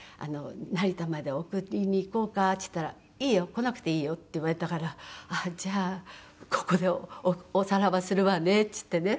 「成田まで送りに行こうか」って言ったら「いいよ。来なくていいよ」って言われたから「あっじゃあここでおさらばするわね」って言ってね。